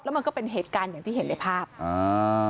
มันก็เป็นเหตุการณ์อย่างที่เห็นในภาพอ่า